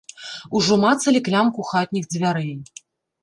Ужо мацалі клямку хатніх дзвярэй.